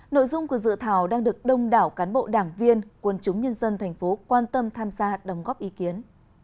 nội dung của dự thảo đang được đông đảo cán bộ đảng viên quân chúng nhân dân tp quan tâm tham gia đồng góp ý kiến